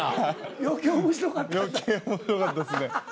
余計面白かったっすね。